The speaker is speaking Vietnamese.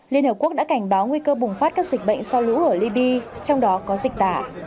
liên hợp quốc đã cảnh báo nguy cơ bùng phát các dịch bệnh sau lũ ở libya trong đó có dịch tả